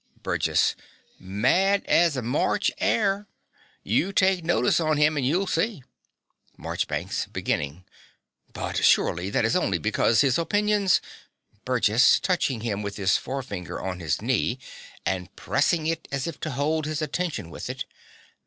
BURGESS. Mad as a Morch 'are. You take notice on him and you'll see. MARCHBANKS (beginning). But surely that is only because his opinions BURGESS (touching him with his forefinger on his knee, and pressing it as if to hold his attention with it).